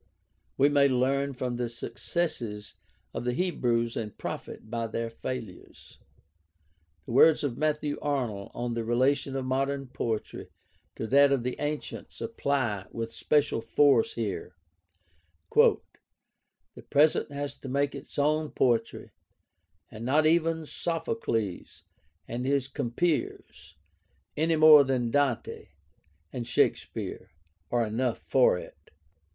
We may learn from the successes of the Hebrews and profit by their failures. The words of Matthew Arnold on the relation of modern poetry to that of the ancients apply with special force here: "The present has to make its own poetry, and not even Sophocles and his compeers, any more than Dante and Shakespere, are enough for it.